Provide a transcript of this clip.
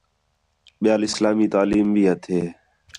ٻِیال اِسلامی تعلیم بھی ہتھے